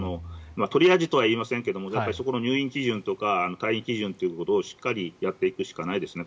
トリアージとは言いませんが入院基準とか退院基準をしっかりやっていくしかないですね。